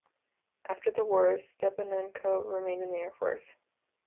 After the war Stepanenko remained in the air force.